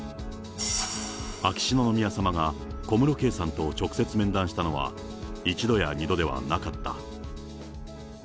秋篠宮さまが小室圭さんと直接面談したのは１度や２度ではなかった。